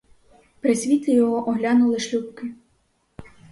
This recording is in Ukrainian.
При світлі його оглянули шлюпки.